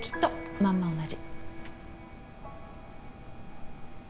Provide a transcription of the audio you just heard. まんま同じ